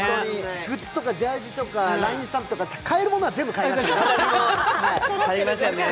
グッズとかジャージとかＬＩＮＥスタンプとか買えるものは全部買ってるからね。